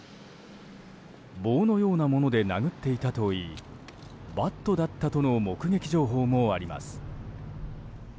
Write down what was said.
棒のようなもので殴っていたといいバットだったとの目撃情報もあります。